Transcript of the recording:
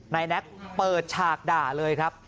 นายแน็กเปิดฉากด่าเลยครับ